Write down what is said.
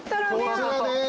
こちらです。